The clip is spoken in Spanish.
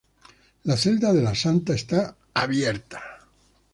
La celda de la Santa está abierta.